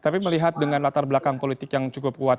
tapi melihat dengan latar belakang politik yang cukup kuat